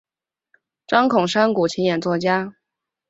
张孔山古琴演奏家。